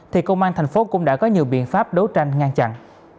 thì công an thành phố cũng đã có nhiều biện pháp đấu tranh ngăn chặn